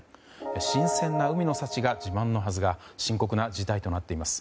新鮮な海の幸が自慢のはずが深刻な事態となっています。